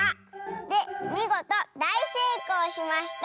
でみごとだいせいこうしました」。